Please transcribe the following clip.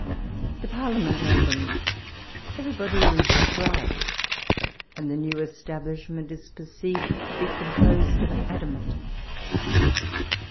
The Parliament opens ; everybody is bribed ; and the new establishment is perceived to be composed of adamant.